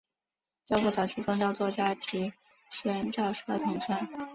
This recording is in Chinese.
教父早期宗教作家及宣教师的统称。